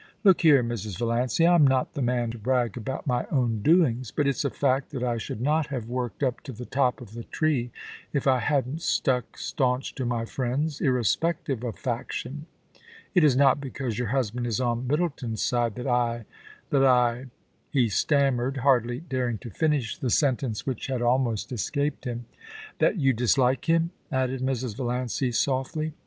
Look here, Mrs. Valiancy ; Tra not the man to brag about my own doings, but it's a fact that I should not have worked up to the top of the tree if I hadn't stuck staunch to my friends, irrespective of faction. It is not because your husband is on Middleton's side that 1 — that I * he stammered, hardly daring to finish the sentence which had almost escaped him. * That you dislike him,' added Mrs. Valiancy, softly.